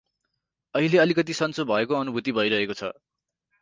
अहिले अलिकति सञ्चो भएको अनुभूति भइरहेको छ।